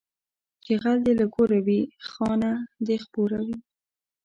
چې غل دې له کوره وي، خانه دې خپوره وي